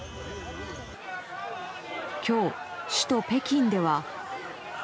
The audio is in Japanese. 今日、首都・北京では。